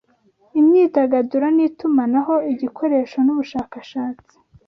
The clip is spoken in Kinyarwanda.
imyidagaduro n'itumanaho igikoresho n'ubushakashatsi